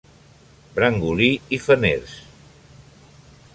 Brangolí i Feners.